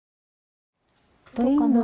どうかな？